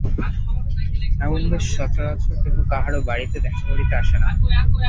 এমন বেশে সচরাচর কেহ কাহারো বাড়িতে দেখা করিতে আসে না।